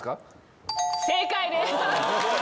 正解です。